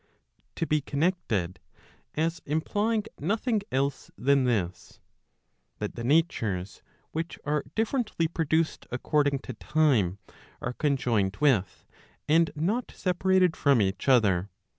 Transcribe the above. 449 of the term t^to deu to be connected , as implying nothing else than this, that the natures which are differently produced according to time, are conjoined with, and not separated from each other.